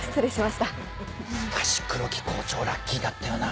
しかし黒木校長ラッキーだったよな。